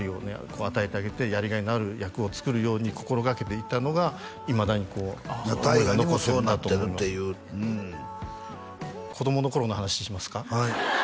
こう与えてあげてやり甲斐のある役を作るように心掛けていたのがいまだにこう大河にもそうなってるっていううん子供の頃の話しますか？